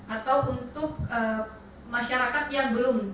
atau untuk masyarakat yang belum